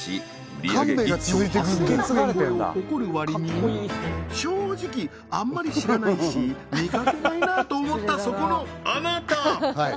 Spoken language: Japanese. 売り上げ１兆８０００億円超えを誇る割に正直あんまり知らないし見かけないなと思ったそこのあなた！